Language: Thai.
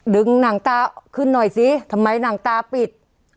ดึงหนังตาขึ้นหน่อยสิทำไมหนังตาปิด